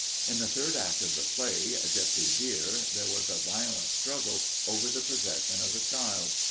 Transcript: In the third act of the play, 'Jessie Vere,' there was a violent struggle over the possession of a child.